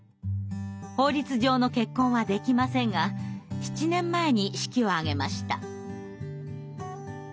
法律上の結婚はできませんが７年前に式を挙げました。